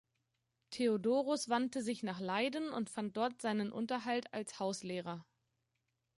Theodorus wandte sich nach Leiden und fand dort seinen Unterhalt als Hauslehrer.